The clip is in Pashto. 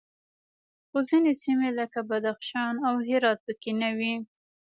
خو ځینې سیمې لکه بدخشان او هرات پکې نه وې